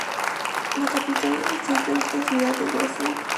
La capital de distrito es la ciudad de Wesel.